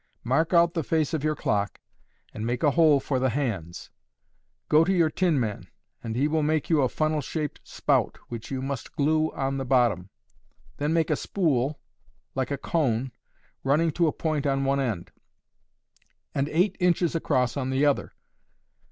Mark out the face of your clock, and make a hole for the hands. Go to your tinman, and he will make you a funnel shaped spout, which you must glue on the bottom. Then make a spool like a cone running to a point on one end and eight inches across on the other.